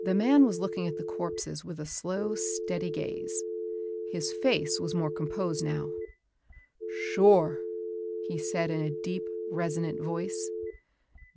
The man was looking at the corpses with a slow, steady gaze. His face was more composed now. "Sure," he said in a deep, resonant voice.